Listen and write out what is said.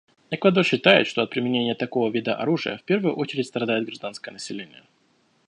Эквадор считает, что от применения такого вида оружия в первую очередь страдает гражданское население.